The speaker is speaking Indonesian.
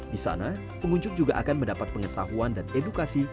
di sana pengunjung juga akan mendapat pengetahuan dan edukasi